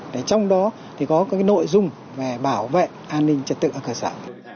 hội thảo đã nhận được các nội dung về bảo vệ an ninh trật tự ở cơ sở